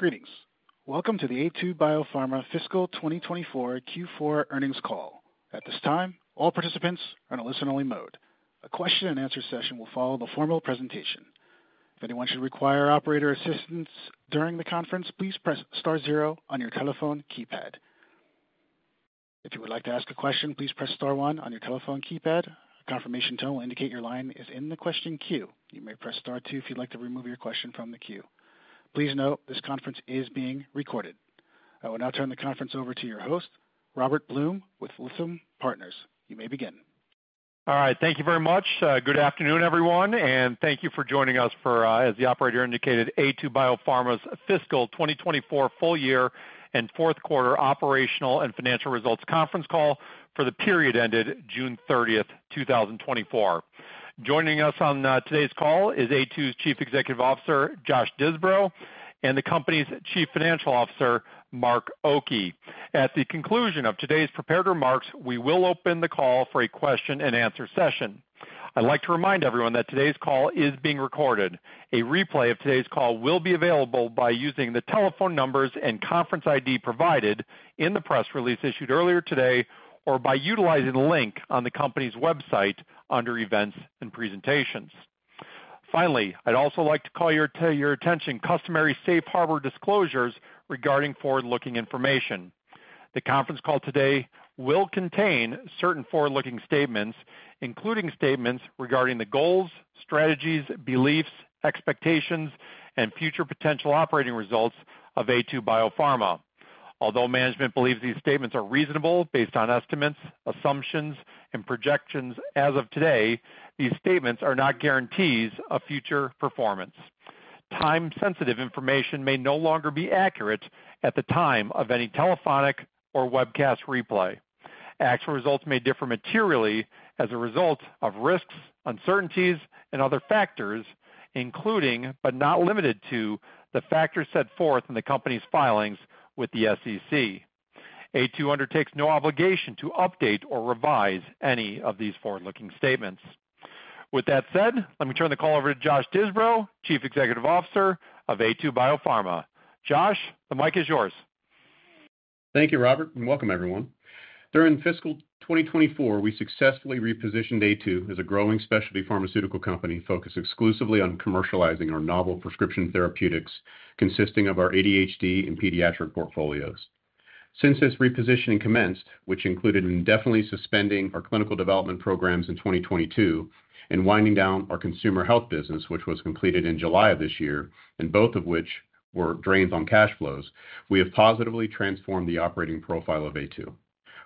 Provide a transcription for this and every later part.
Greetings. Welcome to the Aytu BioPharma Fiscal 2024 Q4 Earnings Call. At this time, all participants are in a listen-only mode. A question-and-answer session will follow the formal presentation. If anyone should require operator assistance during the conference, please press star zero on your telephone keypad. If you would like to ask a question, please press star one on your telephone keypad. A confirmation tone will indicate your line is in the question queue. You may press star two if you'd like to remove your question from the queue. Please note, this conference is being recorded. I will now turn the conference over to your host, Robert Blum, with Lytham Partners. You may begin. All right, thank you very much. Good afternoon, everyone, and thank you for joining us for, as the operator indicated, Aytu BioPharma's fiscal 2024 full year and fourth quarter operational and financial results conference call for the period ended June 30th, 2024. Joining us on today's call is Aytu's Chief Executive Officer, Josh Disbrow, and the company's Chief Financial Officer, Mark Oki. At the conclusion of today's prepared remarks, we will open the call for a question-and-answer session. I'd like to remind everyone that today's call is being recorded. A replay of today's call will be available by using the telephone numbers and conference ID provided in the press release issued earlier today, or by utilizing the link on the company's website under Events and Presentations. Finally, I'd also like to call your, to your attention, customary safe harbor disclosures regarding forward-looking information. The conference call today will contain certain forward-looking statements, including statements regarding the goals, strategies, beliefs, expectations, and future potential operating results of Aytu BioPharma. Although management believes these statements are reasonable, based on estimates, assumptions, and projections as of today, these statements are not guarantees of future performance. Time-sensitive information may no longer be accurate at the time of any telephonic or webcast replay. Actual results may differ materially as a result of risks, uncertainties, and other factors, including, but not limited to, the factors set forth in the company's filings with the SEC. Aytu undertakes no obligation to update or revise any of these forward-looking statements. With that said, let me turn the call over to Josh Disbrow, Chief Executive Officer of Aytu BioPharma. Josh, the mic is yours. Thank you, Robert, and welcome everyone. During fiscal 2024, we successfully repositioned Aytu as a growing specialty pharmaceutical company focused exclusively on commercializing our novel prescription therapeutics, consisting of our ADHD and pediatric portfolios. Since this repositioning commenced, which included indefinitely suspending our clinical development programs in 2022 and winding down our consumer health business, which was completed in July of this year, and both of which were drains on cash flows, we have positively transformed the operating profile of Aytu.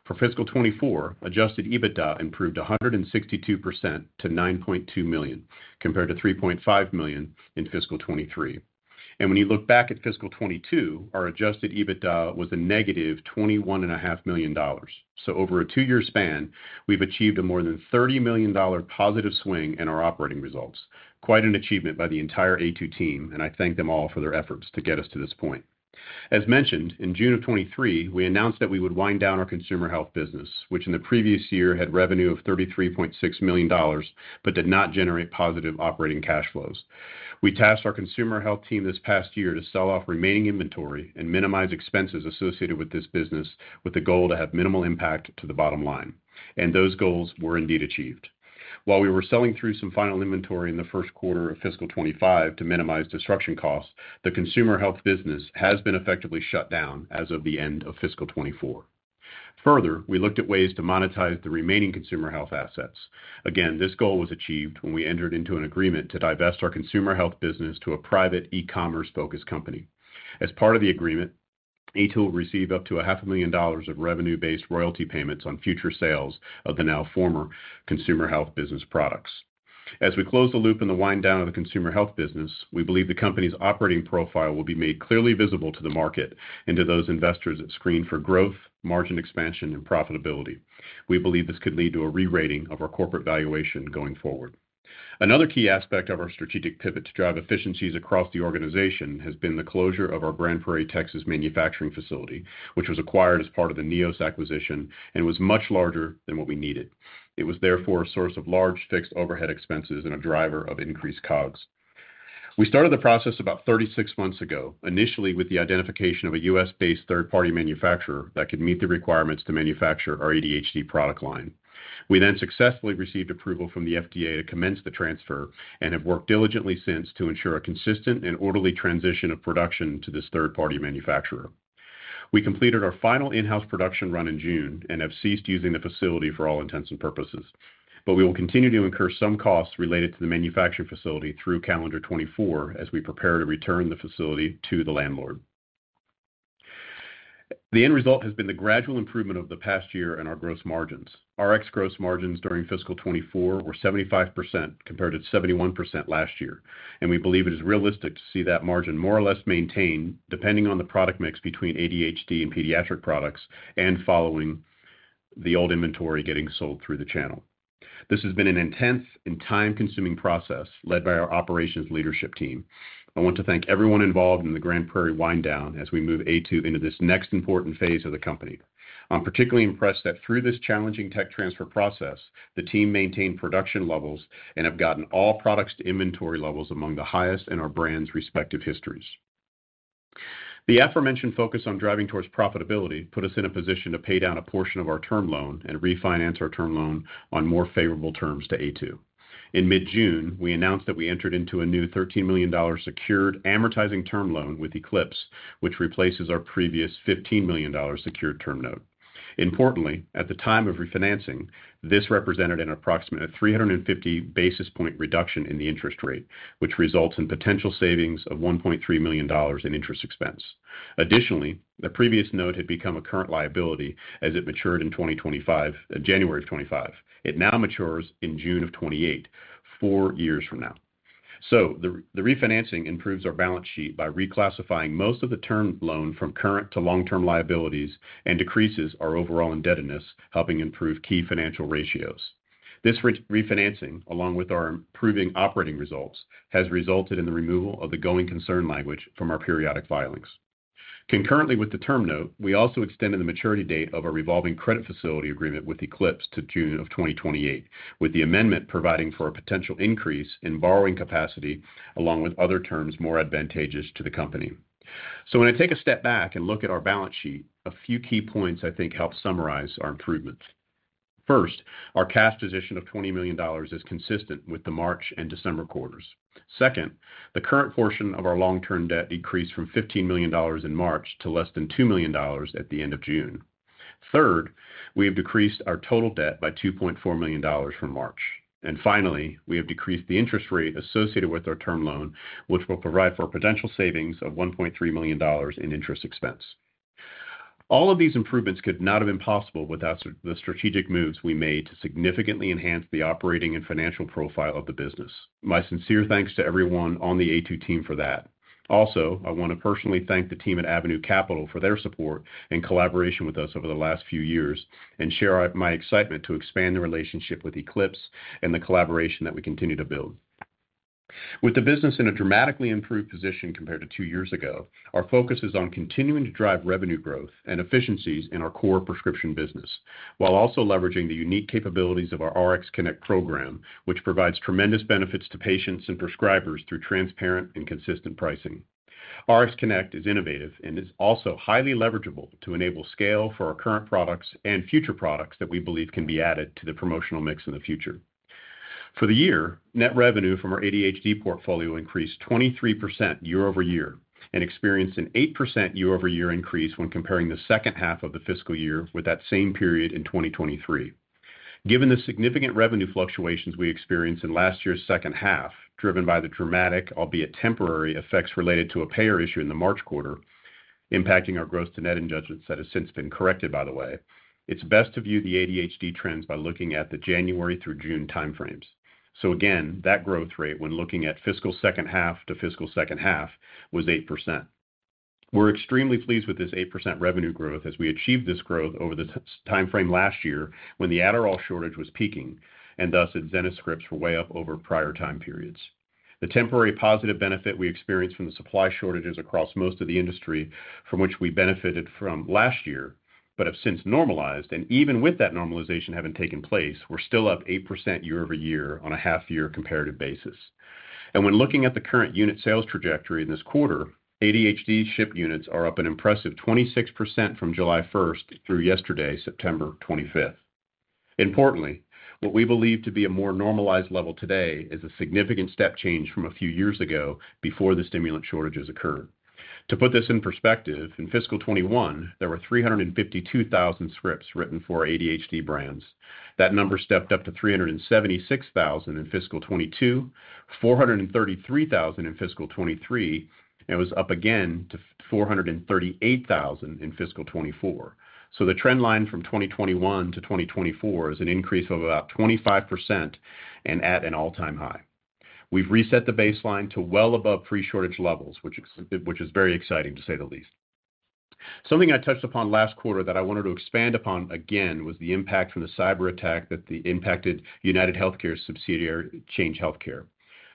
For fiscal 2024, Adjusted EBITDA improved 162% to $9.2 million, compared to $3.5 million in fiscal 2023. And when you look back at fiscal 2022, our Adjusted EBITDA was a -$21.5 million. So over a two-year span, we've achieved a more than $30 million positive swing in our operating results. Quite an achievement by the entire Aytu team, and I thank them all for their efforts to get us to this point. As mentioned, in June of 2023, we announced that we would wind down our consumer health business, which in the previous year had revenue of $33.6 million, but did not generate positive operating cash flows. We tasked our consumer health team this past year to sell off remaining inventory and minimize expenses associated with this business, with the goal to have minimal impact to the bottom line. Those goals were indeed achieved. While we were selling through some final inventory in the first quarter of fiscal 2025 to minimize disruption costs, the consumer health business has been effectively shut down as of the end of fiscal 2024. Further, we looked at ways to monetize the remaining consumer health assets. Again, this goal was achieved when we entered into an agreement to divest our consumer health business to a private e-commerce-focused company. As part of the agreement, Aytu will receive up to $500,000 of revenue-based royalty payments on future sales of the now former consumer health business products. As we close the loop in the wind down of the consumer health business, we believe the company's operating profile will be made clearly visible to the market and to those investors that screen for growth, margin expansion, and profitability. We believe this could lead to a re-rating of our corporate valuation going forward. Another key aspect of our strategic pivot to drive efficiencies across the organization has been the closure of our Grand Prairie, Texas, manufacturing facility, which was acquired as part of the Neos acquisition and was much larger than what we needed. It was therefore a source of large fixed overhead expenses and a driver of increased COGS. We started the process about 36 months ago, initially with the identification of a U.S.-based third-party manufacturer that could meet the requirements to manufacture our ADHD product line. We then successfully received approval from the FDA to commence the transfer and have worked diligently since to ensure a consistent and orderly transition of production to this third-party manufacturer. We completed our final in-house production run in June and have ceased using the facility for all intents and purposes, but we will continue to incur some costs related to the manufacturing facility through calendar 2024 as we prepare to return the facility to the landlord. The end result has been the gradual improvement over the past year in our gross margins. Our gross margins during fiscal 2024 were 75%, compared to 71% last year, and we believe it is realistic to see that margin more or less maintained, depending on the product mix between ADHD and pediatric products and following the old inventory getting sold through the channel. This has been an intense and time-consuming process led by our operations leadership team. I want to thank everyone involved in the Grand Prairie wind down as we move Aytu into this next important phase of the company. I'm particularly impressed that through this challenging tech transfer process, the team maintained production levels and have gotten all products to inventory levels among the highest in our brands' respective histories. The aforementioned focus on driving towards profitability put us in a position to pay down a portion of our term loan and refinance our term loan on more favorable terms to Aytu. In mid-June, we announced that we entered into a new $13 million secured amortizing term loan with Eclipse, which replaces our previous $15 million secured term note. Importantly, at the time of refinancing, this represented an approximate 350 basis point reduction in the interest rate, which results in potential savings of $1.3 million in interest expense. Additionally, the previous note had become a current liability as it matured in 2025, January of 2025. It now matures in June of 2028, four years from now. So the refinancing improves our balance sheet by reclassifying most of the term loan from current to long-term liabilities and decreases our overall indebtedness, helping improve key financial ratios. This refinancing, along with our improving operating results, has resulted in the removal of the going concern language from our periodic filings. Concurrently, with the term note, we also extended the maturity date of a revolving credit facility agreement with Eclipse to June, 2028, with the amendment providing for a potential increase in borrowing capacity, along with other terms more advantageous to the company. So when I take a step back and look at our balance sheet, a few key points I think help summarize our improvements. First, our cash position of $20 million is consistent with the March and December quarters. Second, the current portion of our long-term debt decreased from $15 million in March to less than $2 million at the end of June. Third, we have decreased our total debt by $2.4 million from March. And finally, we have decreased the interest rate associated with our term loan, which will provide for a potential savings of $1.3 million in interest expense. All of these improvements could not have been possible without the strategic moves we made to significantly enhance the operating and financial profile of the business. My sincere thanks to everyone on the Aytu team for that. Also, I want to personally thank the team at Avenue Capital for their support and collaboration with us over the last few years, and share my excitement to expand the relationship with Eclipse and the collaboration that we continue to build. With the business in a dramatically improved position compared to two years ago, our focus is on continuing to drive revenue growth and efficiencies in our core prescription business, while also leveraging the unique capabilities of our RxConnect program, which provides tremendous benefits to patients and prescribers through transparent and consistent pricing. RxConnect is innovative and is also highly leverageable to enable scale for our current products and future products that we believe can be added to the promotional mix in the future. For the year, net revenue from our ADHD portfolio increased 23% year-over-year and experienced an 8% year-over-year increase when comparing the second half of the fiscal year with that same period in 2023. Given the significant revenue fluctuations we experienced in last year's second half, driven by the dramatic, albeit temporary, effects related to a payer issue in the March quarter, impacting our gross to net adjustments, that has since been corrected, by the way, it's best to view the ADHD trends by looking at the January through June time frames. So again, that growth rate, when looking at fiscal second half to fiscal second half, was 8%. We're extremely pleased with this 8% revenue growth as we achieved this growth over the time frame last year when the Adderall shortage was peaking, and thus Adzenys scripts were way up over prior time periods. The temporary positive benefit we experienced from the supply shortages across most of the industry, from which we benefited from last year, but have since normalized, and even with that normalization having taken place, we're still up 8% year-over-year on a half year comparative basis. And when looking at the current unit sales trajectory this quarter, ADHD shipped units are up an impressive 26% from July 1st through yesterday, September 25th. Importantly, what we believe to be a more normalized level today is a significant step change from a few years ago before the stimulant shortages occurred. To put this in perspective, in fiscal 2021, there were 352,000 scripts written for ADHD brands. That number stepped up to 376,000 in fiscal 2022, 433,000 in fiscal 2023, and was up again to 438,000 in fiscal 2024. So the trend line from 2021 to 2024 is an increase of about 25% and at an all-time high. We've reset the baseline to well above pre-shortage levels, which is very exciting, to say the least. Something I touched upon last quarter that I wanted to expand upon again was the impact from the cyberattack that impacted UnitedHealthcare subsidiary, Change Healthcare.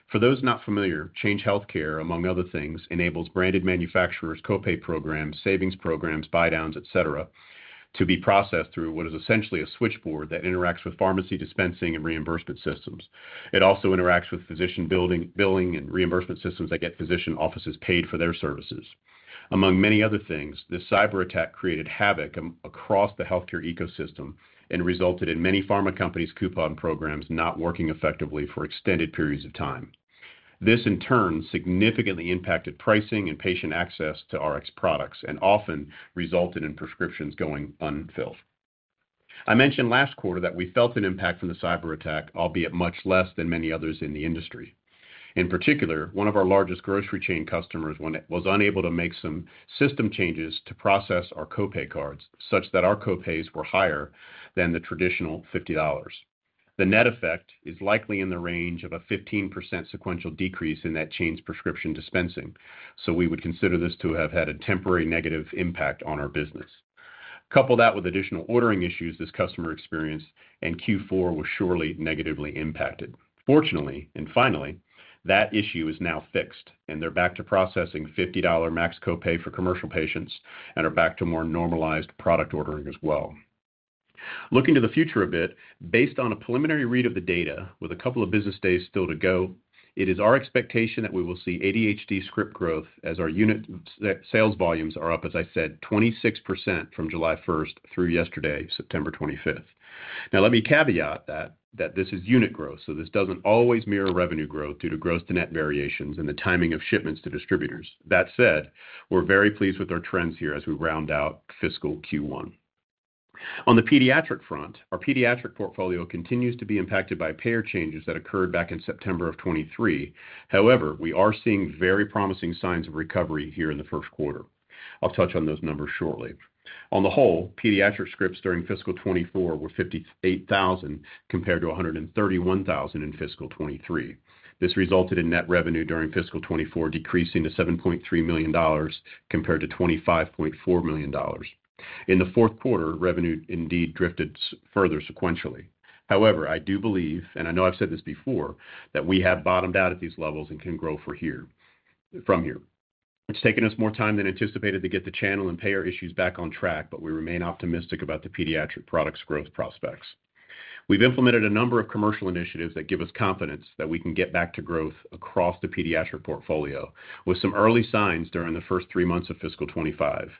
For those not familiar, Change Healthcare, among other things, enables branded manufacturers, co-pay programs, savings programs, buy downs, et cetera, to be processed through what is essentially a switchboard that interacts with pharmacy dispensing and reimbursement systems. It also interacts with physician billing and reimbursement systems that get physician offices paid for their services. Among many other things, this cyberattack created havoc across the healthcare ecosystem and resulted in many pharma companies' coupon programs not working effectively for extended periods of time. This, in turn, significantly impacted pricing and patient access to Rx products and often resulted in prescriptions going unfilled. I mentioned last quarter that we felt an impact from the cyberattack, albeit much less than many others in the industry. In particular, one of our largest grocery chain customers, when it was unable to make some system changes to process our co-pay cards, such that our co-pays were higher than the traditional $50. The net effect is likely in the range of a 15% sequential decrease in that chain's prescription dispensing, so we would consider this to have had a temporary negative impact on our business. Couple that with additional ordering issues this customer experienced, and Q4 was surely negatively impacted. Fortunately, and finally, that issue is now fixed, and they're back to processing $50 max co-pay for commercial patients and are back to more normalized product ordering as well. Looking to the future a bit, based on a preliminary read of the data, with a couple of business days still to go, it is our expectation that we will see ADHD script growth as our unit sales volumes are up, as I said, 26% from July 1st through yesterday, September 25th. Now, let me caveat that, that this is unit growth, so this doesn't always mirror revenue growth due to gross to net variations and the timing of shipments to distributors. That said, we're very pleased with our trends here as we round out fiscal Q1. On the pediatric front, our pediatric portfolio continues to be impacted by payer changes that occurred back in September 2023. However, we are seeing very promising signs of recovery here in the first quarter. I'll touch on those numbers shortly. On the whole, pediatric scripts during fiscal 2024 were 58,000, compared to 131,000 in fiscal 2023. This resulted in net revenue during fiscal 2024, decreasing to $7.3 million compared to $25.4 million. In the fourth quarter, revenue indeed drifted further sequentially. However, I do believe, and I know I've said this before, that we have bottomed out at these levels and can grow for here, from here. It's taken us more time than anticipated to get the channel and payer issues back on track, but we remain optimistic about the pediatric products growth prospects. We've implemented a number of commercial initiatives that give us confidence that we can get back to growth across the pediatric portfolio, with some early signs during the first three months of 2025.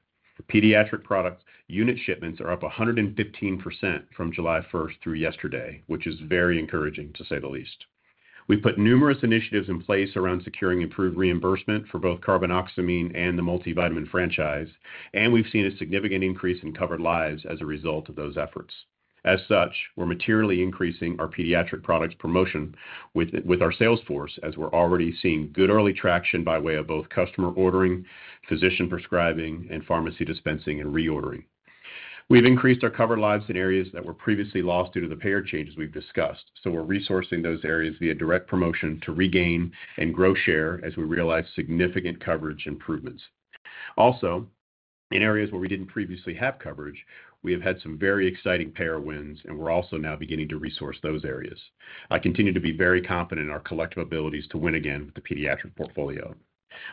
Pediatric products unit shipments are up 115% from July 1st through yesterday, which is very encouraging, to say the least. We've put numerous initiatives in place around securing improved reimbursement for both carbinoxamine and the multivitamin franchise, and we've seen a significant increase in covered lives as a result of those efforts. As such, we're materially increasing our pediatric products promotion with our sales force, as we're already seeing good early traction by way of both customer ordering, physician prescribing, and pharmacy dispensing and reordering. We've increased our covered lives in areas that were previously lost due to the payer changes we've discussed, so we're resourcing those areas via direct promotion to regain and grow share as we realize significant coverage improvements. Also, in areas where we didn't previously have coverage, we have had some very exciting payer wins, and we're also now beginning to resource those areas. I continue to be very confident in our collective abilities to win again with the pediatric portfolio.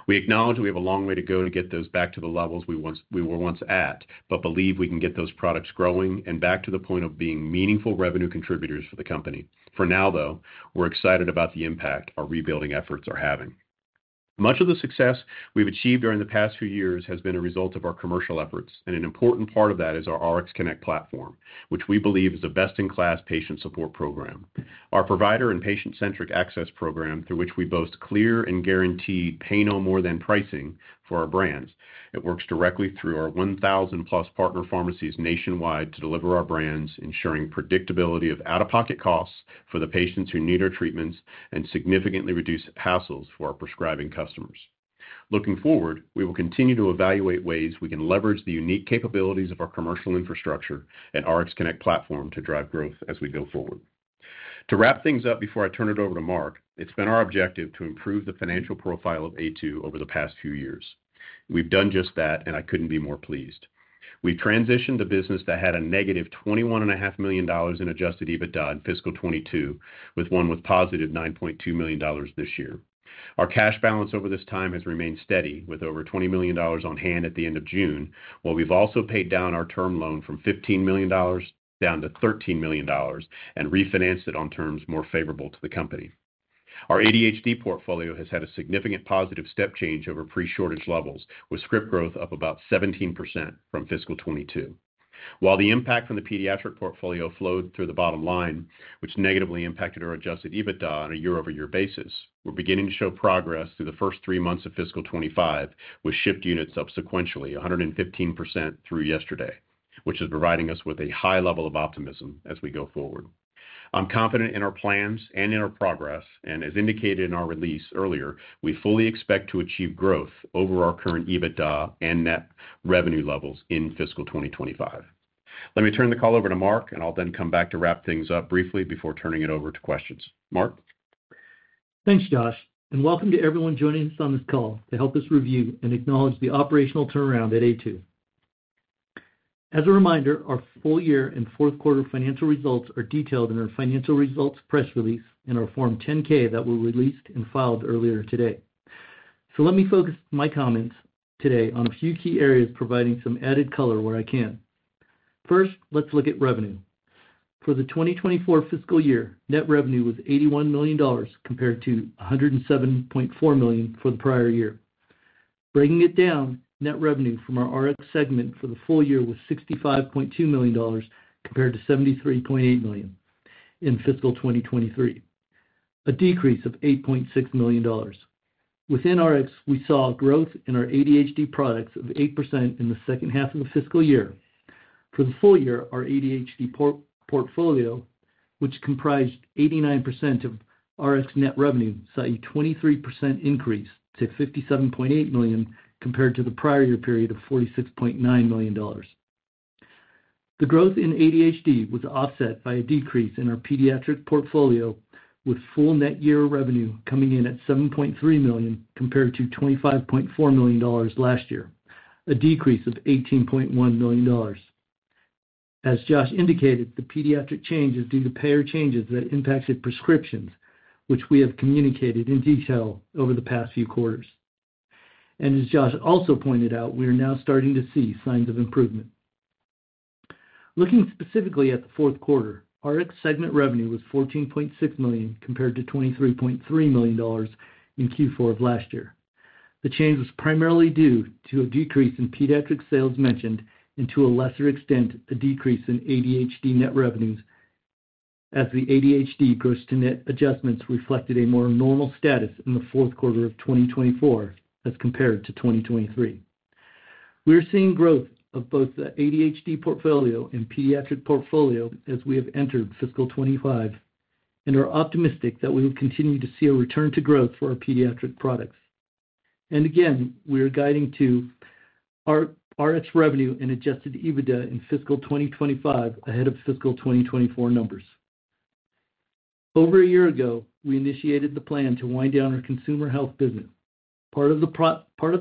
We acknowledge we have a long way to go to get those back to the levels we once were at, but believe we can get those products growing and back to the point of being meaningful revenue contributors for the company. For now, though, we're excited about the impact our rebuilding efforts are having. Much of the success we've achieved during the past few years has been a result of our commercial efforts, and an important part of that is our RxConnect platform, which we believe is a best-in-class patient support program. Our provider and patient-centric access program, through which we boast clear and guaranteed pay no more than pricing for our brands. It works directly through our 1,000+ partner pharmacies nationwide to deliver our brands, ensuring predictability of out-of-pocket costs for the patients who need our treatments and significantly reduce hassles for our prescribing customers. Looking forward, we will continue to evaluate ways we can leverage the unique capabilities of our commercial infrastructure and RxConnect platform to drive growth as we go forward. To wrap things up, before I turn it over to Mark, it's been our objective to improve the financial profile of Aytu over the past few years. We've done just that, and I couldn't be more pleased. We transitioned a business that had -$21.5 million in Adjusted EBITDA in fiscal 2022, to one with positive $9.2 million this year. Our cash balance over this time has remained steady, with over $20 million on hand at the end of June, while we've also paid down our term loan from $15 million down to $13 million and refinanced it on terms more favorable to the company. Our ADHD portfolio has had a significant positive step change over pre-shortage levels, with script growth up about 17% from fiscal 2022. While the impact from the pediatric portfolio flowed through the bottom line, which negatively impacted our Adjusted EBITDA on a year-over-year basis, we're beginning to show progress through the first three months of fiscal 2025, with shipped units up sequentially 115% through yesterday, which is providing us with a high level of optimism as we go forward. I'm confident in our plans and in our progress, and as indicated in our release earlier, we fully expect to achieve growth over our current EBITDA and net revenue levels in fiscal 2025. Let me turn the call over to Mark, and I'll then come back to wrap things up briefly before turning it over to questions. Mark? Thanks, Josh, and welcome to everyone joining us on this call to help us review and acknowledge the operational turnaround at Aytu. As a reminder, our full year and fourth quarter financial results are detailed in our financial results press release and our Form 10-K that were released and filed earlier today. So let me focus my comments today on a few key areas, providing some added color where I can. First, let's look at revenue. For the 2024 fiscal year, net revenue was $81 million, compared to $107.4 million for the prior year. Breaking it down, net revenue from our Rx segment for the full year was $65.2 million, compared to $73.8 million in fiscal 2023, a decrease of $8.6 million. Within Rx, we saw growth in our ADHD products of 8% in the second half of the fiscal year. For the full year, our ADHD portfolio, which comprised 89% of Rx net revenue, saw a 23% increase to $57.8 million, compared to the prior year period of $46.9 million. The growth in ADHD was offset by a decrease in our pediatric portfolio, with full net year revenue coming in at $7.3 million compared to $25.4 million last year, a decrease of $18.1 million. As Josh indicated, the pediatric change is due to payer changes that impacted prescriptions, which we have communicated in detail over the past few quarters. And as Josh also pointed out, we are now starting to see signs of improvement. Looking specifically at the fourth quarter, Rx segment revenue was $14.6 million, compared to $23.3 million in Q4 of last year. The change was primarily due to a decrease in pediatric sales mentioned, and to a lesser extent, a decrease in ADHD net revenues, as the ADHD gross to net adjustments reflected a more normal status in the fourth quarter of 2024 as compared to 2023. We are seeing growth of both the ADHD portfolio and pediatric portfolio as we have entered fiscal 2025, and are optimistic that we will continue to see a return to growth for our pediatric products. And again, we are guiding to our Rx revenue and Adjusted EBITDA in fiscal 2025, ahead of fiscal 2024 numbers. Over a year ago, we initiated the plan to wind down our consumer health business. Part of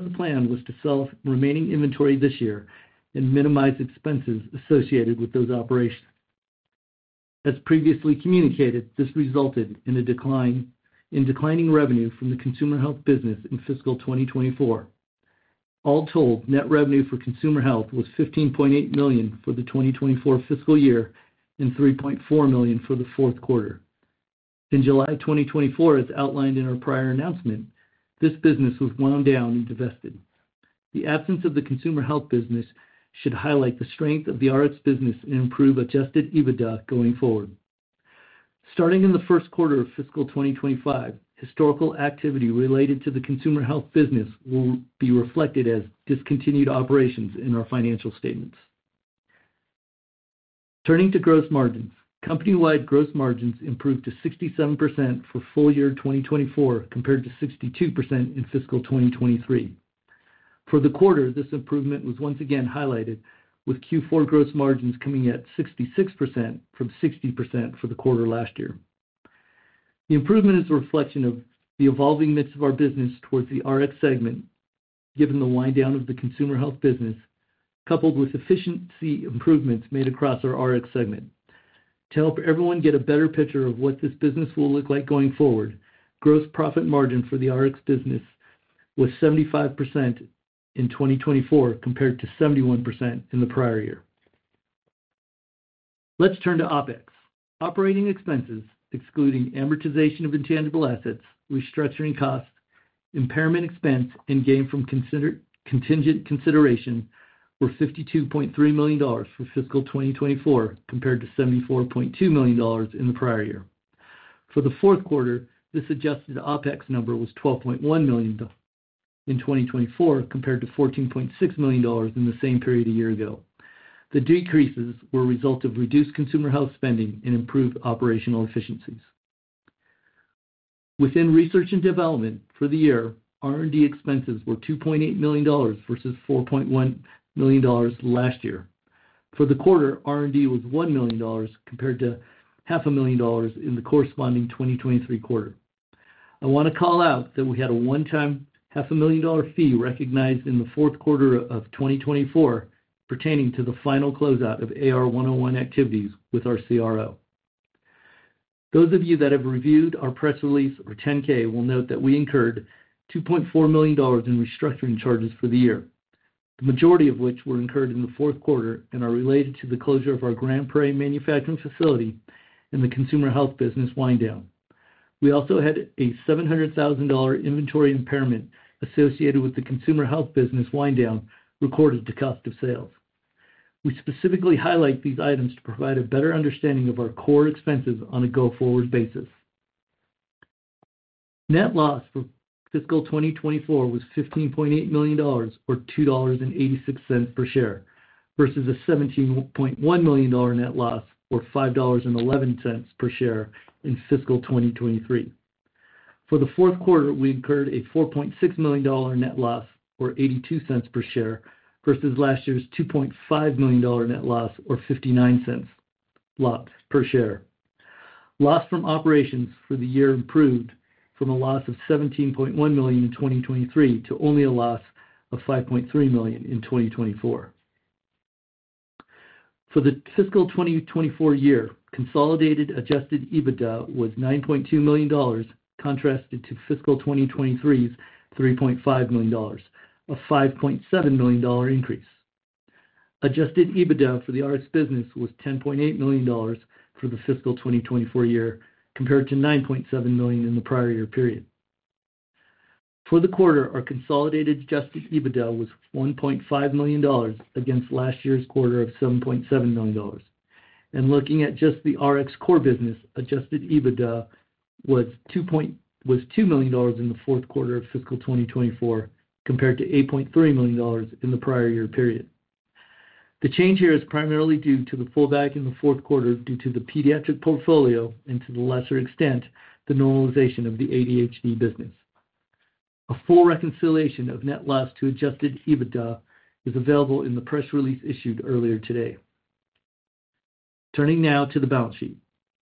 the plan was to sell remaining inventory this year and minimize expenses associated with those operations. As previously communicated, this resulted in a decline in revenue from the consumer health business in fiscal 2024. All told, net revenue for consumer health was $15.8 million for the 2024 fiscal year, and $3.4 million for the fourth quarter. In July 2024, as outlined in our prior announcement, this business was wound down and divested. The absence of the consumer health business should highlight the strength of the Rx business and improve Adjusted EBITDA going forward. Starting in the first quarter of fiscal 2025, historical activity related to the consumer health business will be reflected as discontinued operations in our financial statements. Turning to gross margins. Company-wide gross margins improved to 67% for full year 2024, compared to 62% in fiscal 2023. For the quarter, this improvement was once again highlighted, with Q4 gross margins coming at 66% from 60% for the quarter last year. The improvement is a reflection of the evolving mix of our business towards the Rx segment, given the wind down of the consumer health business, coupled with efficiency improvements made across our Rx segment. To help everyone get a better picture of what this business will look like going forward, gross profit margin for the Rx business was 75% in 2024, compared to 71% in the prior year. Let's turn to OpEx. Operating expenses, excluding amortization of intangible assets, restructuring costs, impairment expense, and gain from contingent consideration, were $52.3 million for fiscal 2024, compared to $74.2 million in the prior year. For the fourth quarter, this adjusted OpEx number was $12.1 million in 2024, compared to $14.6 million in the same period a year ago. The decreases were a result of reduced consumer health spending and improved operational efficiencies. Within research and development for the year, R&D expenses were $2.8 million versus $4.1 million last year. For the quarter, R&D was $1 million, compared to $500,000 in the corresponding 2023 quarter. I want to call out that we had a one-time $500,000 fee recognized in the fourth quarter of 2024 pertaining to the final closeout of AR101 activities with our CRO. Those of you that have reviewed our press release or 10-K will note that we incurred $2.4 million in restructuring charges for the year, the majority of which were incurred in the fourth quarter and are related to the closure of our Grand Prairie manufacturing facility and the consumer health business wind down. We also had a $700,000 inventory impairment associated with the consumer health business wind down recorded to cost of sales. We specifically highlight these items to provide a better understanding of our core expenses on a go-forward basis. Net loss for fiscal 2024 was $15.8 million, or $2.86 per share, versus a $17.1 million net loss, or $5.11 per share in fiscal 2023. For the fourth quarter, we incurred a $4.6 million net loss, or $0.82 per share, versus last year's $2.5 million net loss, or $0.59 loss per share. Loss from operations for the year improved from a loss of $17.1 million in 2023 to only a loss of $5.3 million in 2024. For the fiscal 2024 year, consolidated Adjusted EBITDA was $9.2 million, contrasted to fiscal 2023's $3.5 million, a $5.7 million increase. Adjusted EBITDA for the Rx business was $10.8 million for the fiscal 2024 year, compared to $9.7 million in the prior year period. For the quarter, our consolidated Adjusted EBITDA was $1.5 million against last year's quarter of $7.7 million. Looking at just the Rx core business, Adjusted EBITDA was $2 million in the fourth quarter of fiscal 2024, compared to $8.3 million in the prior year period. The change here is primarily due to the pullback in the fourth quarter, due to the pediatric portfolio and, to a lesser extent, the normalization of the ADHD business. A full reconciliation of net loss to Adjusted EBITDA is available in the press release issued earlier today. Turning now to the balance sheet.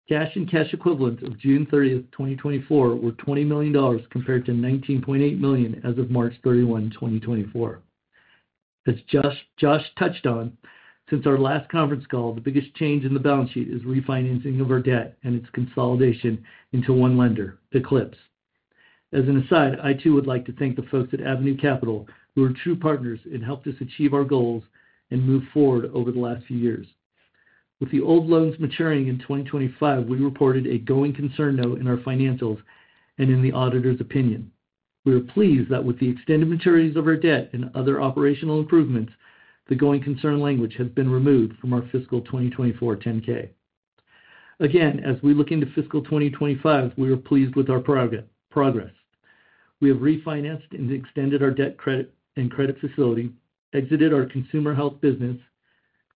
Cash and cash equivalents of June 30th, 2024, were $20 million, compared to $19.8 million as of March 31, 2024. As Josh touched on, since our last conference call, the biggest change in the balance sheet is refinancing of our debt and its consolidation into one lender, Eclipse. As an aside, I too would like to thank the folks at Avenue Capital, who are true partners and helped us achieve our goals and move forward over the last few years. With the old loans maturing in 2025, we reported a going concern note in our financials and in the auditor's opinion. We are pleased that with the extended maturities of our debt and other operational improvements, the going concern language has been removed from our fiscal 2024 10-K. Again, as we look into fiscal 2025, we are pleased with our progress. We have refinanced and extended our debt, credit facility, exited our consumer health business,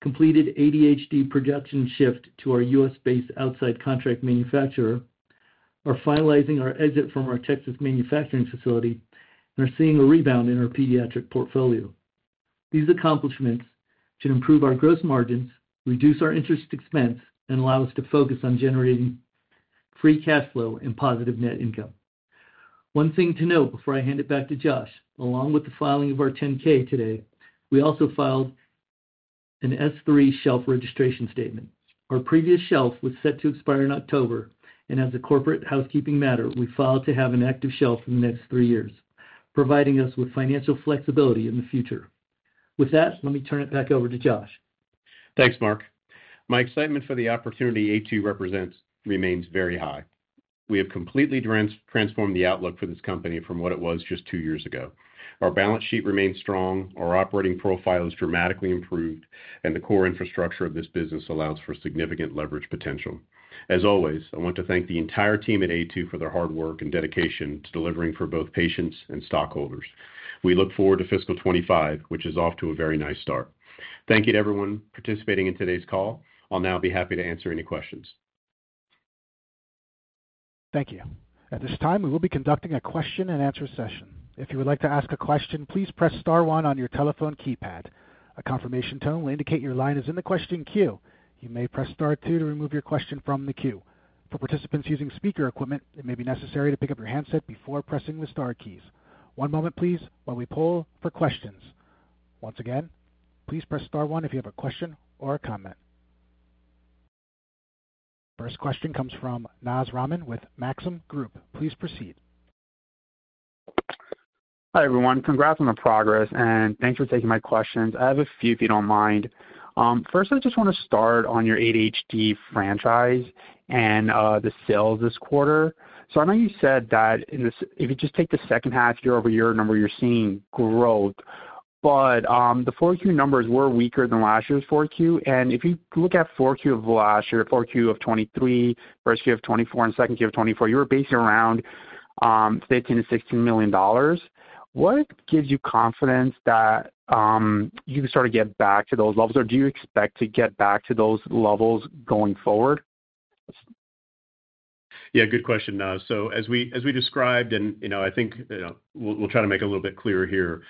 completed ADHD production shift to our U.S.-based outside contract manufacturer, are finalizing our exit from our Texas manufacturing facility, and are seeing a rebound in our pediatric portfolio. These accomplishments should improve our gross margins, reduce our interest expense, and allow us to focus on generating free cash flow and positive net income. One thing to note before I hand it back to Josh, along with the filing of our 10-K today, we also filed an S-3 shelf registration statement. Our previous shelf was set to expire in October, and as a corporate housekeeping matter, we filed to have an active shelf in the next three years, providing us with financial flexibility in the future. With that, let me turn it back over to Josh. Thanks, Mark. My excitement for the opportunity Aytu represents remains very high. We have completely transformed the outlook for this company from what it was just two years ago. Our balance sheet remains strong, our operating profile is dramatically improved, and the core infrastructure of this business allows for significant leverage potential. As always, I want to thank the entire team at Aytu for their hard work and dedication to delivering for both patients and stockholders. We look forward to fiscal 2025, which is off to a very nice start. Thank you to everyone participating in today's call. I'll now be happy to answer any questions. Thank you. At this time, we will be conducting a question and answer session. If you would like to ask a question, please press star one on your telephone keypad. A confirmation tone will indicate your line is in the question queue. You may press star two to remove your question from the queue. For participants using speaker equipment, it may be necessary to pick up your handset before pressing the star keys. One moment please, while we pull for questions. Once again, please press Star one if you have a question or a comment. First question comes from Naz Rahman with Maxim Group. Please proceed. Hi, everyone. Congrats on the progress, and thanks for taking my questions. I have a few, if you don't mind. First, I just want to start on your ADHD franchise and the sales this quarter. So I know you said that in this, if you just take the second half year-over-year number, you're seeing growth. But the Q4 numbers were weaker than last year's Q4. And if you look at Q4 of last year, Q4 of 2023, Q1 of 2024 and Q2 of 2024, you were basically around $15 million-$16 million. What gives you confidence that you can sort of get back to those levels, or do you expect to get back to those levels going forward? Yeah, good question, Naz. So as we described, and, you know, I think, you know, we'll try to make it a little bit clearer here.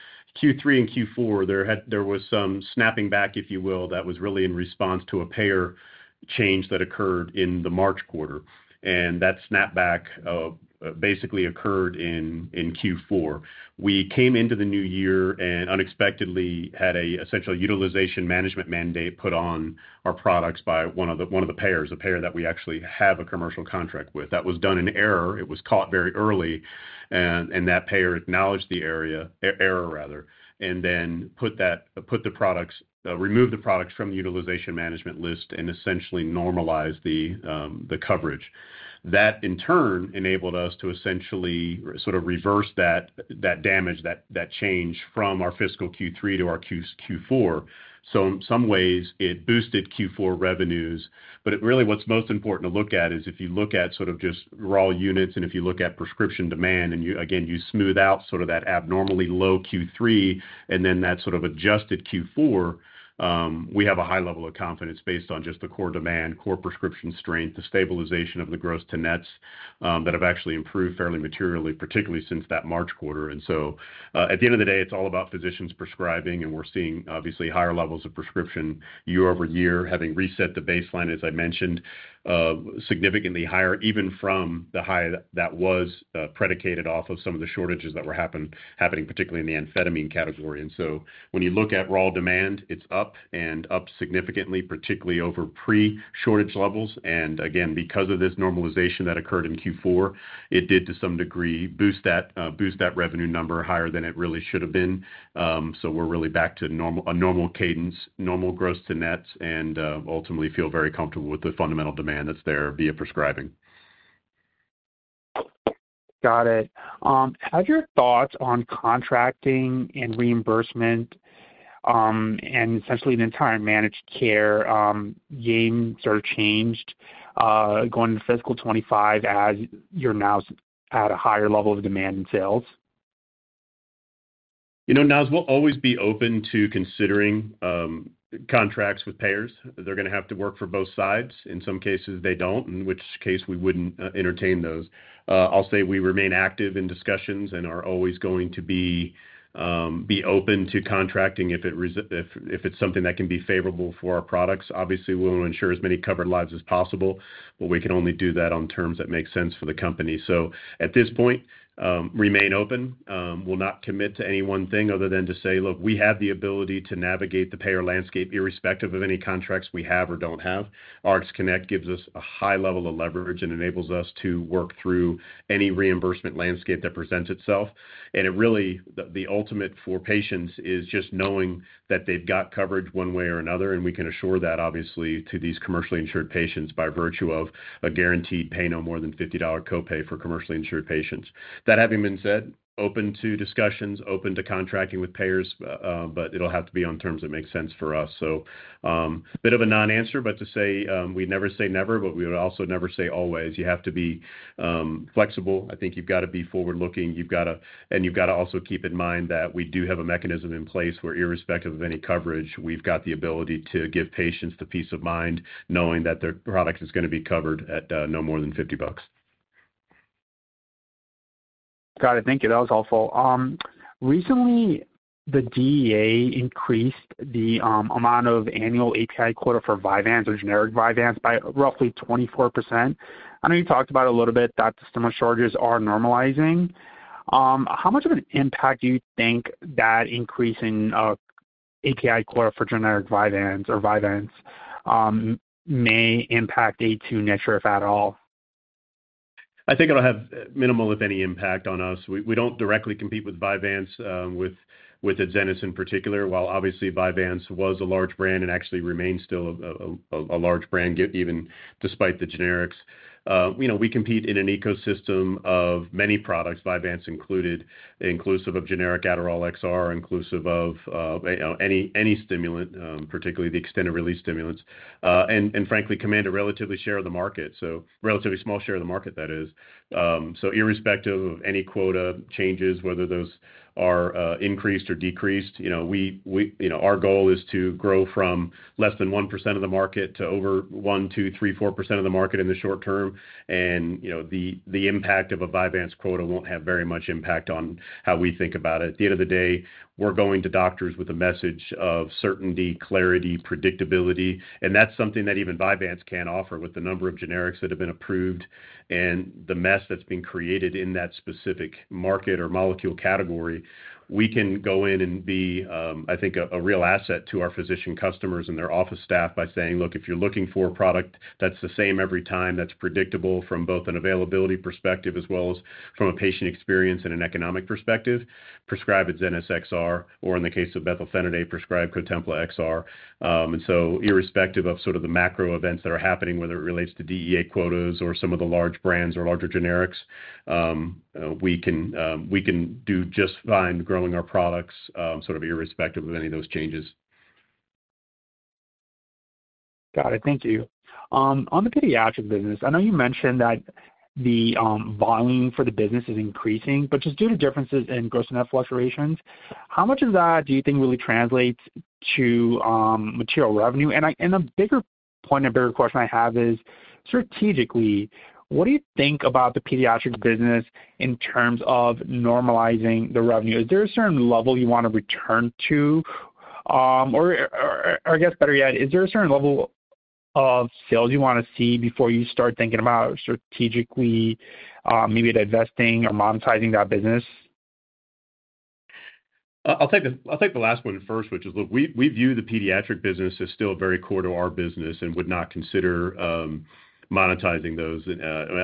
Q3 and Q4, there was some snapping back, if you will, that was really in response to a payer change that occurred in the March quarter, and that snapback basically occurred in Q4. We came into the new year and unexpectedly had an essential utilization management mandate put on our products by one of the payers, a payer that we actually have a commercial contract with. That was done in error. It was caught very early, and that payer acknowledged the error rather, and then removed the products from the utilization management list and essentially normalize the coverage. That, in turn, enabled us to essentially sort of reverse that damage, that change from our fiscal Q3 to our Q4. So in some ways, it boosted Q4 revenues, but it really, what's most important to look at is if you look at sort of just raw units, and if you look at prescription demand, and you again smooth out sort of that abnormally low Q3 and then that sort of adjusted Q4, we have a high level of confidence based on just the core demand, core prescription strength, the stabilization of the gross-to-net that have actually improved fairly materially, particularly since that March quarter. And so, at the end of the day, it's all about physicians prescribing, and we're seeing obviously higher levels of prescription year-over-year, having reset the baseline, as I mentioned, significantly higher, even from the high that was predicated off of some of the shortages that were happening, particularly in the amphetamine category. And so when you look at raw demand, it's up and up significantly, particularly over pre-shortage levels. And again, because of this normalization that occurred in Q4, it did, to some degree, boost that revenue number higher than it really should have been. So we're really back to normal, a normal cadence, normal gross to nets, and ultimately feel very comfortable with the fundamental demand that's there via prescribing. Got it. Have your thoughts on contracting and reimbursement, and essentially the entire managed care game sort of changed, going to fiscal 2025, as you're now at a higher level of demand in sales? You know, Naz, we'll always be open to considering contracts with payers. They're gonna have to work for both sides. In some cases, they don't, in which case, we wouldn't entertain those. I'll say we remain active in discussions and are always going to be open to contracting if it's something that can be favorable for our products. Obviously, we want to ensure as many covered lives as possible, but we can only do that on terms that make sense for the company. So at this point, remain open, we'll not commit to any one thing other than to say, look, we have the ability to navigate the payer landscape, irrespective of any contracts we have or don't have. RxConnect gives us a high level of leverage and enables us to work through any reimbursement landscape that presents itself. And it really, the ultimate for patients is just knowing that they've got coverage one way or another, and we can assure that, obviously, to these commercially insured patients by virtue of a guaranteed pay no more than fifty-dollar copay for commercially insured patients. That having been said, open to discussions, open to contracting with payers, but it'll have to be on terms that make sense for us. So, bit of a non-answer, but to say, we never say never, but we would also never say always. You have to be flexible. I think you've got to be forward-looking, and you've got to also keep in mind that we do have a mechanism in place where irrespective of any coverage, we've got the ability to give patients the peace of mind, knowing that their product is gonna be covered at no more than $50. Got it. Thank you. That was all full. Recently, the DEA increased the amount of annual API quota for Vyvanse or generic Vyvanse by roughly 24%. I know you talked about a little bit that the shortages are normalizing. How much of an impact do you think that increase in API quota for generic Vyvanse or Vyvanse may impact ADHD net share, if at all? I think it'll have minimal, if any, impact on us. We, we don't directly compete with Vyvanse, with, with Adzenys in particular. While obviously, Vyvanse was a large brand and actually remains still a large brand, yet even despite the generics. We know we compete in an ecosystem of many products, Vyvanse included, inclusive of generic Adderall XR, inclusive of, you know, any stimulant, particularly the extended-release stimulants, and frankly, command a relatively share of the market, so relatively small share of the market, that is. So irrespective of any quota changes, whether those are, increased or decreased, you know, we, we, you know, our goal is to grow from less than 1% of the market to over 1%, 2%, 3%, 4% of the market in the short term. You know, the impact of a Vyvanse quota won't have very much impact on how we think about it. At the end of the day, we're going to doctors with a message of certainty, clarity, predictability, and that's something that even Vyvanse can't offer with the number of generics that have been approved and the mess that's been created in that specific market or molecule category. We can go in and be, I think, a real asset to our physician customers and their office staff by saying, look, if you're looking for a product that's the same every time, that's predictable from both an availability perspective as well as from a patient experience and an economic perspective, prescribe Adzenys XR, or in the case of methylphenidate, prescribe Cotempla XR. And so irrespective of sort of the macro events that are happening, whether it relates to DEA quotas or some of the large brands or larger generics, we can do just fine growing our products, sort of irrespective of any of those changes. Got it. Thank you. On the pediatric business, I know you mentioned that the volume for the business is increasing, but just due to differences in gross-to-net fluctuations, how much of that do you think really translates to material revenue? And a bigger point and a bigger question I have is, strategically, what do you think about the pediatric business in terms of normalizing the revenue? Is there a certain level you want to return to? Or, or, I guess, better yet, is there a certain level of sales you want to see before you start thinking about strategically, maybe divesting or monetizing that business? I'll take the last one first, which is, look, we view the pediatric business as still very core to our business and would not consider monetizing those.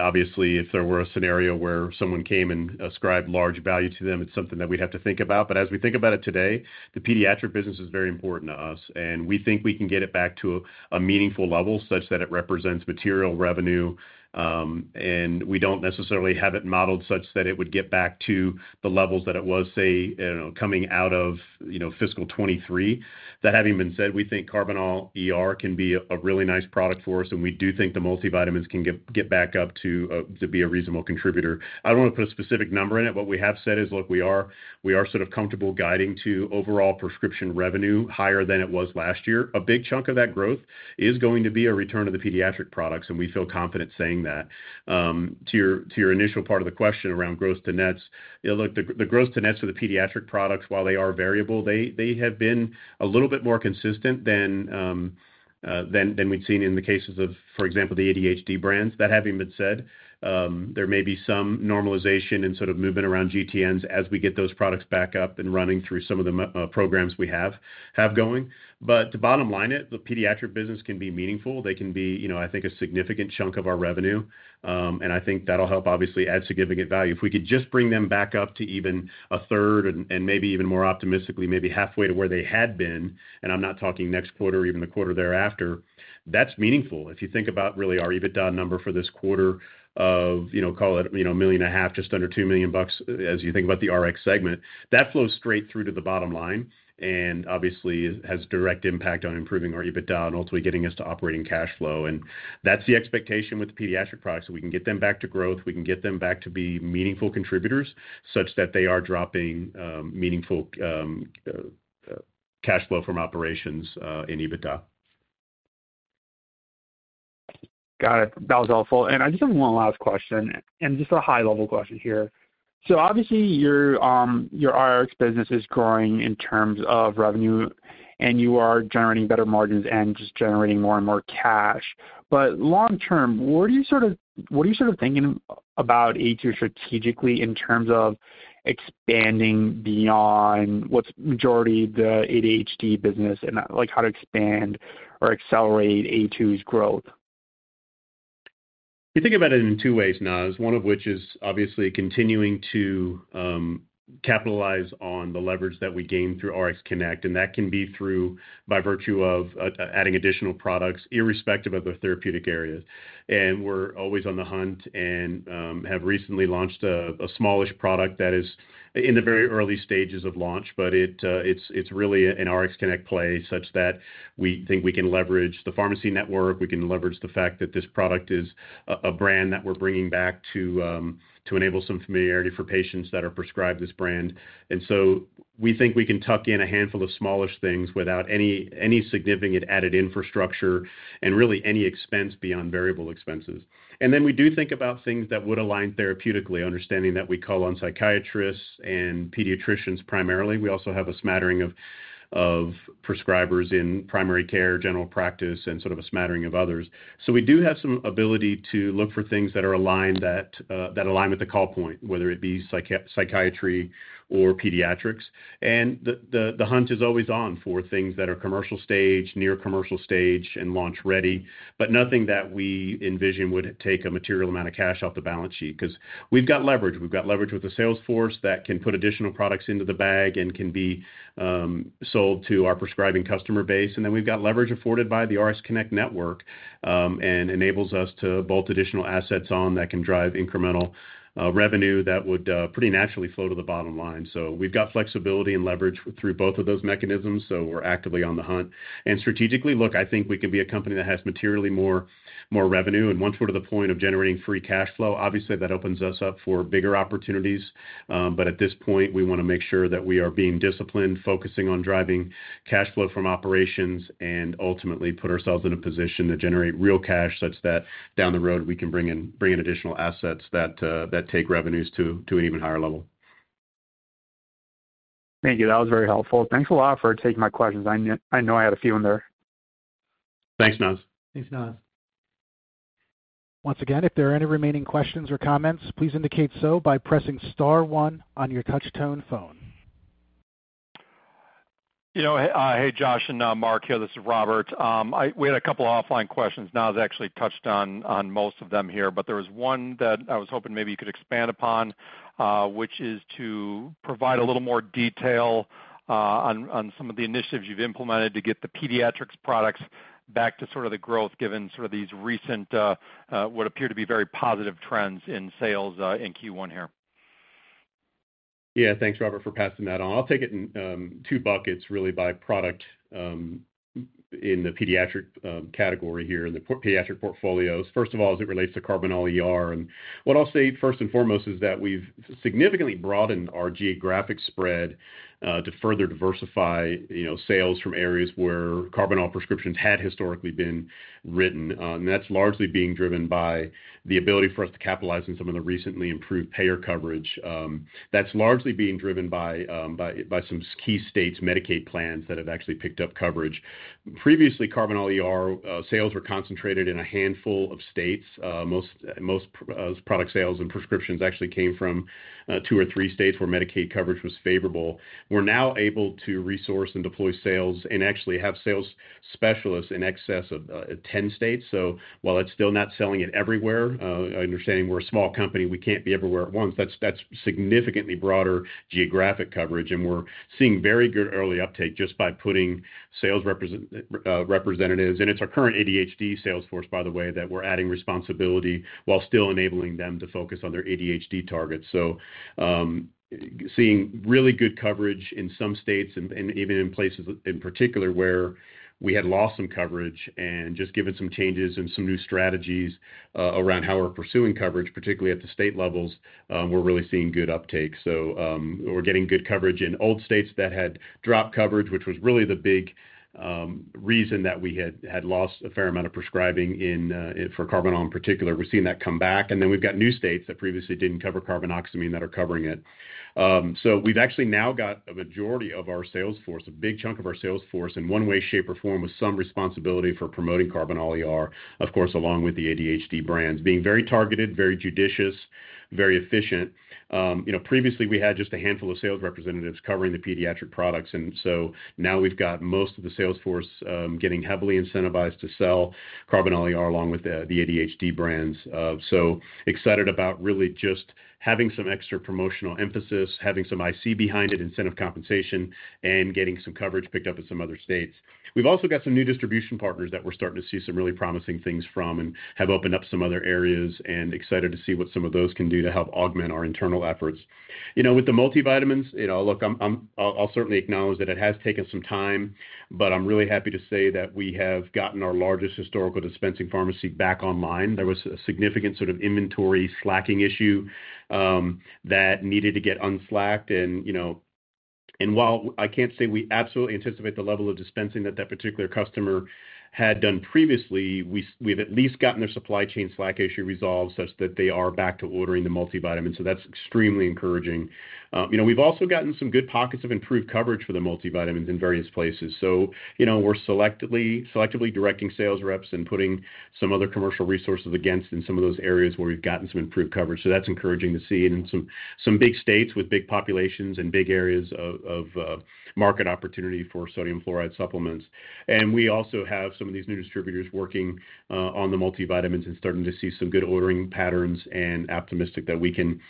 Obviously, if there were a scenario where someone came and ascribed large value to them, it's something that we'd have to think about. But as we think about it today, the pediatric business is very important to us, and we think we can get it back to a meaningful level such that it represents material revenue, and we don't necessarily have it modeled such that it would get back to the levels that it was, say, coming out of, you know, fiscal 2023. That having been said, we think Karbinal ER can be a really nice product for us, and we do think the multivitamins can get back up to be a reasonable contributor. I don't want to put a specific number in it, but we have said is, look, we are sort of comfortable guiding to overall prescription revenue higher than it was last year. A big chunk of that growth is going to be a return to the pediatric products, and we feel confident saying that. To your initial part of the question around gross-to-nets, look, the gross-to-nets for the pediatric products, while they are variable, they have been a little bit more consistent than we've seen in the cases of, for example, the ADHD brands. That having been said, there may be some normalization and sort of movement around GTNs as we get those products back up and running through some of the programs we have going. But to bottom line it, the pediatric business can be meaningful. They can be, you know, I think, a significant chunk of our revenue, and I think that'll help obviously add significant value. If we could just bring them back up to even a third and maybe even more optimistically, maybe halfway to where they had been, and I'm not talking next quarter or even the quarter thereafter, that's meaningful. If you think about really our EBITDA number for this quarter of, you know, call it, you know, $1.5 million, just under $2 million bucks, as you think about the Rx segment, that flows straight through to the bottom line, and obviously, has direct impact on improving our EBITDA and ultimately getting us to operating cash flow, and that's the expectation with the pediatric products, that we can get them back to growth, we can get them back to be meaningful contributors such that they are dropping meaningful cash flow from operations in EBITDA. Got it. That was helpful. And I just have one last question, and just a high-level question here. So obviously, your Rx business is growing in terms of revenue, and you are generating better margins and just generating more and more cash. But long term, what are you sort of, what are you sort of thinking about Aytu Rx strategically in terms of expanding beyond what's majority of the ADHD business and, like, how to expand or accelerate Aytu Rx's growth? We think about it in two ways, Naz, one of which is obviously continuing to capitalize on the leverage that we gain through RxConnect, and that can be through by virtue of adding additional products, irrespective of the therapeutic area. We're always on the hunt and have recently launched a smallish product that is in the very early stages of launch, but it's really an RxConnect play such that we think we can leverage the pharmacy network, we can leverage the fact that this product is a brand that we're bringing back to enable some familiarity for patients that are prescribed this brand. So we think we can tuck in a handful of smallish things without any significant added infrastructure and really any expense beyond variable expenses. And then we do think about things that would align therapeutically, understanding that we call on psychiatrists and pediatricians primarily. We also have a smattering of prescribers in primary care, general practice, and sort of a smattering of others. So we do have some ability to look for things that are aligned at that align with the call point, whether it be psychiatry or pediatrics. And the hunt is always on for things that are commercial stage, near commercial stage, and launch ready, but nothing that we envision would take a material amount of cash off the balance sheet, 'cause we've got leverage. We've got leverage with the sales force that can put additional products into the bag and can be sold to our prescribing customer base. And then we've got leverage afforded by the RxConnect network, and enables us to bolt additional assets on that can drive incremental revenue that would pretty naturally flow to the bottom line. So we've got flexibility and leverage through both of those mechanisms, so we're actively on the hunt. And strategically, look, I think we can be a company that has materially more revenue, and once we're to the point of generating free cash flow, obviously, that opens us up for bigger opportunities. But at this point, we want to make sure that we are being disciplined, focusing on driving cash flow from operations, and ultimately put ourselves in a position to generate real cash such that down the road, we can bring in additional assets that take revenues to an even higher level. Thank you. That was very helpful. Thanks a lot for taking my questions. I know I had a few in there. Thanks, Naz. Thanks, Naz. Once again, if there are any remaining questions or comments, please indicate so by pressing star one on your touch tone phone. You know, hey, Josh and Mark here, this is Robert. We had a couple of offline questions. Naz actually touched on most of them here, but there was one that I was hoping maybe you could expand upon, which is to provide a little more detail on some of the initiatives you've implemented to get the pediatrics products back to sort of the growth, given sort of these recent what appear to be very positive trends in sales in Q1 here. Yeah. Thanks, Robert, for passing that on. I'll take it in two buckets, really by product, in the pediatric category here, in the pediatric portfolios. First of all, as it relates to Karbinal ER, and what I'll say first and foremost is that we've significantly broadened our geographic spread to further diversify, you know, sales from areas where Karbinal prescriptions had historically been written, and that's largely being driven by the ability for us to capitalize on some of the recently improved payer coverage. That's largely being driven by some key states' Medicaid plans that have actually picked up coverage. Previously, Karbinal ER sales were concentrated in a handful of states, most product sales and prescriptions actually came from two or three states where Medicaid coverage was favorable. We're now able to resource and deploy sales and actually have sales specialists in excess of 10 states. So while it's still not selling it everywhere, understanding we're a small company, we can't be everywhere at once, that's significantly broader geographic coverage, and we're seeing very good early uptake just by putting sales representatives. And it's our current ADHD sales force, by the way, that we're adding responsibility while still enabling them to focus on their ADHD targets. So, seeing really good coverage in some states and even in places in particular where we had lost some coverage and just given some changes and some new strategies around how we're pursuing coverage, particularly at the state levels, we're really seeing good uptake. So, we're getting good coverage in old states that had dropped coverage, which was really the big reason that we had lost a fair amount of prescribing in for Karbinal in particular. We're seeing that come back, and then we've got new states that previously didn't cover carbinoxamine that are covering it. So we've actually now got a majority of our sales force, a big chunk of our sales force, in one way, shape, or form, with some responsibility for promoting Karbinal ER, of course, along with the ADHD brands, being very targeted, very judicious, very efficient. You know, previously, we had just a handful of sales representatives covering the pediatric products, and so now we've got most of the sales force getting heavily incentivized to sell Karbinal ER, along with the ADHD brands. So excited about really just having some extra promotional emphasis, having some IC behind it, incentive compensation, and getting some coverage picked up in some other states. We've also got some new distribution partners that we're starting to see some really promising things from and have opened up some other areas and excited to see what some of those can do to help augment our internal efforts. You know, with the multivitamins, you know, look, I'll certainly acknowledge that it has taken some time, but I'm really happy to say that we have gotten our largest historical dispensing pharmacy back online. There was a significant sort of inventory slacking issue that needed to get unslacked and, you know. While I can't say we absolutely anticipate the level of dispensing that that particular customer had done previously, we, we've at least gotten their supply chain slack issue resolved such that they are back to ordering the multivitamins. That's extremely encouraging. You know, we've also gotten some good pockets of improved coverage for the multivitamins in various places. You know, we're selectively directing sales reps and putting some other commercial resources against in some of those areas where we've gotten some improved coverage. That's encouraging to see in some big states with big populations and big areas of market opportunity for sodium fluoride supplements. And we also have some of these new distributors working on the multivitamins and starting to see some good ordering patterns and optimistic that we can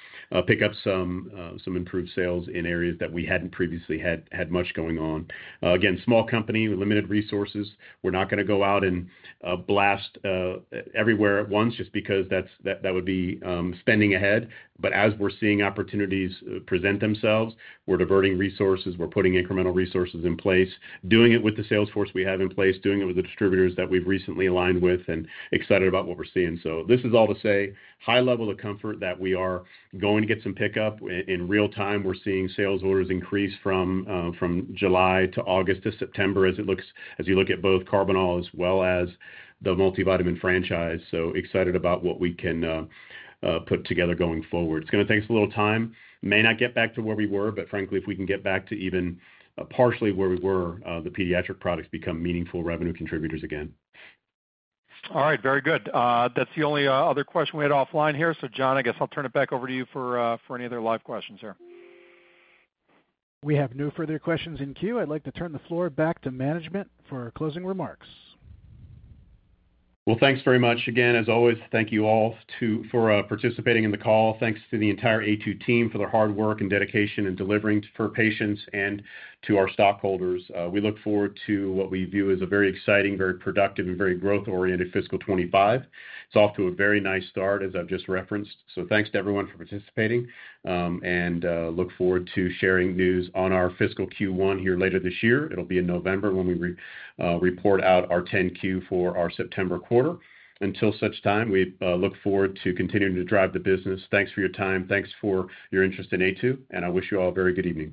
pick up some improved sales in areas that we hadn't previously had much going on. Again, small company with limited resources. We're not going to go out and blast everywhere at once just because that would be spending ahead. But as we're seeing opportunities present themselves, we're diverting resources, we're putting incremental resources in place, doing it with the sales force we have in place, doing it with the distributors that we've recently aligned with, and excited about what we're seeing. So this is all to say, high level of comfort that we are going to get some pickup. In real time, we're seeing sales orders increase from July to August to September, as you look at both Karbinal as well as the multivitamin franchise. So excited about what we can put together going forward. It's going to take us a little time. May not get back to where we were, but frankly, if we can get back to even partially where we were, the pediatric products become meaningful revenue contributors again. All right, very good. That's the only other question we had offline here. So, John, I guess I'll turn it back over to you for any other live questions here. We have no further questions in queue. I'd like to turn the floor back to management for closing remarks. Thanks very much. Again, as always, thank you all for participating in the call. Thanks to the entire Aytu team for their hard work and dedication in delivering for patients and to our stockholders. We look forward to what we view as a very exciting, very productive, and very growth-oriented fiscal 2025. It's off to a very nice start, as I've just referenced. Thanks to everyone for participating and look forward to sharing news on our fiscal Q1 here later this year. It'll be in November when we report out our 10-Q for our September quarter. Until such time, we look forward to continuing to drive the business. Thanks for your time. Thanks for your interest in Aytu, and I wish you all a very good evening.